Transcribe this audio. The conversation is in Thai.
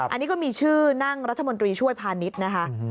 อันนี้ก็มีชื่อนั่งรัฐมนตรีช่วยพาณิชย์นะคะ